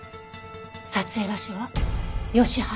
撮影場所はヨシ原。